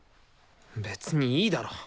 別にいいだろ。